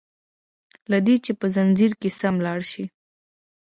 له دي چي په ځنځير کي سم لاړ شي